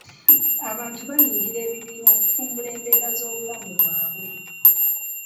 Abantu baayingira ekibiina okutumbula ku mbeera z'obulamu bwabwe.